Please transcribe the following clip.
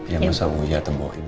ya masa wuyah tembohin